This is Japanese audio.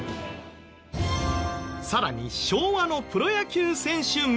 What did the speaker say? さらに昭和のプロ野球選手名鑑には。